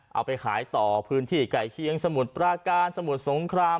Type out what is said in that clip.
เอาไปขายต่อพื้นที่ไก่เคียงสมุทรปราการสมุทรสงคราม